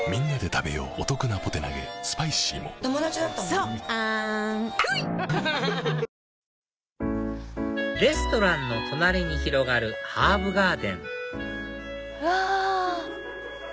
損保ジャパンレストランの隣に広がるハーブガーデンうわ！